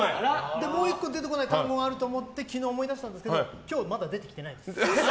で、もう１個出てこない単語があると思って昨日思い出したんですけど今日、まだ出てきてないです。